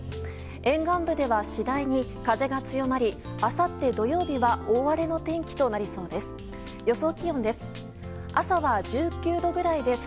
沿岸部では次第に風が強まりあさって土曜日は大荒れの天気となりそうです。